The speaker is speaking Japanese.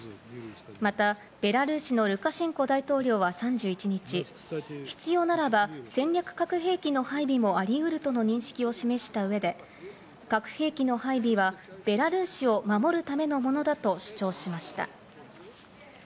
またベラルーシのルカシェンコ大統領は３１日、必要ならば戦略核兵器の配備もありうるとの認識を示した上で、核兵器の配備はベラルーシを守るためのものだと主張しました。